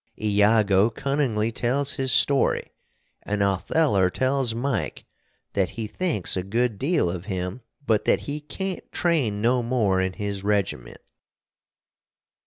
Iago cunningly tells his story & Otheller tells Mike that he thinks a good deal of him but that he cant train no more in his regiment.